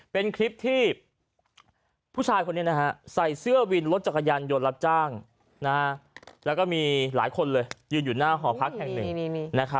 เป็นคลิปที่ผู้ชายคนนี้ใส่เสื้อวินรถจักรยานยนต์รับจ้างแล้วก็มีหลายคนเลยยืนอยู่หน้าหอพักแห่งหนึ่ง